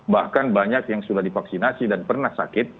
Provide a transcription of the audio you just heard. bahkan banyak yang sudah divaksinasi dan pernah sakit